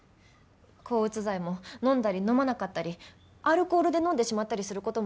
抗うつ剤も飲んだり飲まなかったりアルコールで飲んでしまったりする事もあるみたいです。